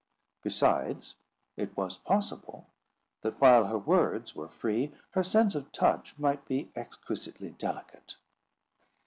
Besides, it was possible that, while her words were free, her sense of touch might be exquisitely delicate.